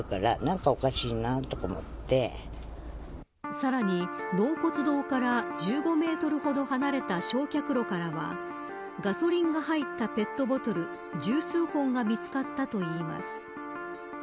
さらに納骨堂から１５メートルほど離れた焼却炉からはガソリンが入ったペットボトル十数本が見つかったといいます。